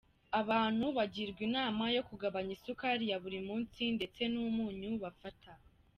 Abantu bagirwa inama yo kugabanya isukari ya buri munsi ndetse n’umunyu bafata.